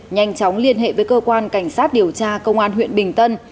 nhanh chóng liên hệ với cơ quan cảnh sát điều tra công an huyện bình tân